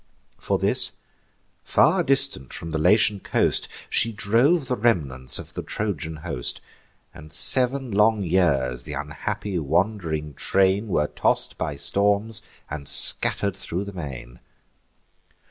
For this, far distant from the Latian coast She drove the remnants of the Trojan host; And sev'n long years th' unhappy wand'ring train Were toss'd by storms, and scatter'd thro' the main.